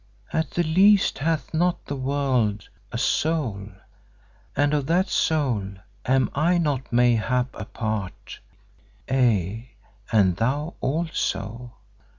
At the least hath not the World a soul—and of that soul am I not mayhap a part, aye, and thou also?